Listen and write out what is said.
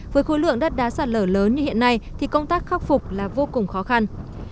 với khối lượng đất đá sạt lở lớn như hiện nay thì công tác khắc phục là vô cùng khó khăn